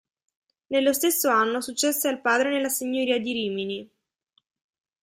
Nello stesso anno successe al padre nella signoria di Rimini.